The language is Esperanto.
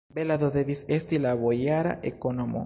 Bela do devis esti la bojara ekonomo!